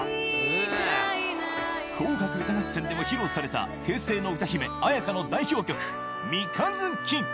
『紅白歌合戦』でも披露された平成の歌姫絢香の代表曲『三日月』